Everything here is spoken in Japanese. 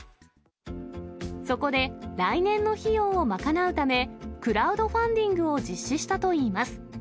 そこで、来年の費用を賄うため、クラウドファンディングを実施したといいます。